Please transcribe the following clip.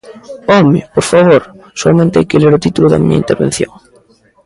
¡Home!, por favor, soamente hai que ler o título da miña intervención.